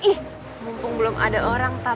ih mumpung belum ada orang